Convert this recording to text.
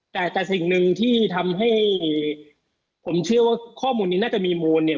แต่แต่สิ่งหนึ่งที่ทำให้ผมเชื่อว่าข้อมูลนี้น่าจะมีมูลเนี่ย